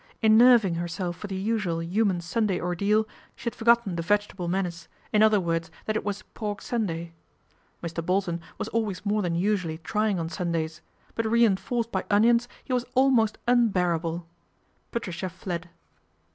In nerving herself for the usual human Sun day ordeal, she had forgotten the vegetable menace, in other words that it was " pork Sun day." Mr. Bolt on was always more than usually trying on Sundays ; but reinforced by onions he was almost unbearable. Patricia fled.